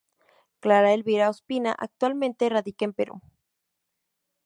Clara Elvira Ospina actualmente radica en Perú.